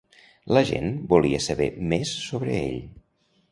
La gent volia saber més sobre ell?